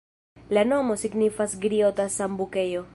La nomo signifas griota-sambukejo.